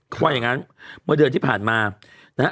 ความอย่างงั้นเมื่อเดือนที่ผ่านมา